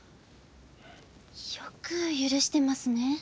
よく許してますね。